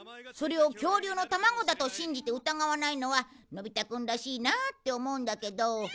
それを恐竜の卵だと信じて疑わないのはのび太くんらしいなあって思うんだけど